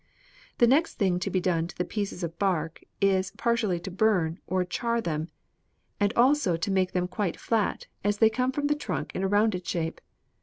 "The next thing to be done to the pieces of bark is partially to burn, or char, them, and also to make them quite flat, as they come from the trunk in a rounded shape.